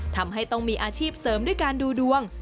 ทำให้ต้องมีอาชีพเสริมด้วยการดูดวง